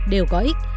đều có ích